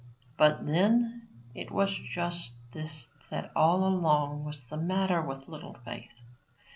But, then, it was just this that all along was the matter with Little Faith.